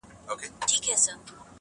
o ها د ښكلا شاپېرۍ هغه د سكون سهزادگۍ.